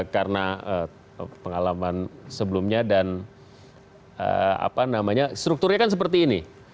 karena pengalaman sebelumnya dan strukturnya kan seperti ini